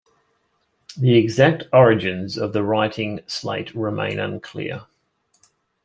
The exact origins of the writing slate remain unclear.